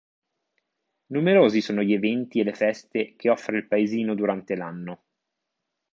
Numerosi sono gli eventi e le feste che offre il paesino durante l'anno.